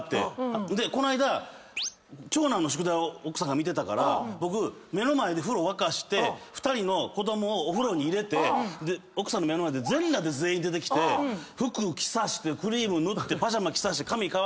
こないだ長男の宿題を奥さんが見てたから僕目の前で風呂沸かして２人の子供をお風呂に入れて奥さんの目の前で全裸で全員出てきて服着させてクリーム塗ってパジャマ着させて髪乾かして。